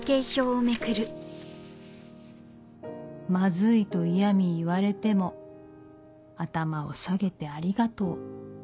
「まずいと厭味言われても頭を下げて『ありがとう』。